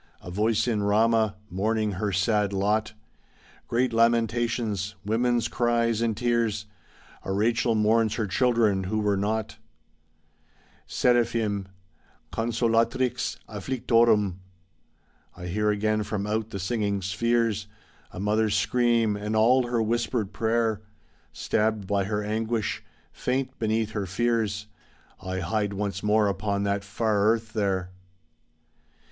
A voice in Rama, mourning her sad lot ! Great lamentations, women's cries and tears, A Rachel mourns her children who were not. THE SAD TEARS HEROD {Continued) Seraphim: "Consalatrix afflictorum." I hear again from out the singing spheres A mother's scream, and all her whispered prayer Stabbed by her anguish, faint beneath her fears, I hide once more upon that far earth there.